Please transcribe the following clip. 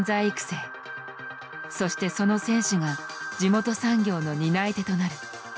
そしてその選手が地元産業の担い手となる。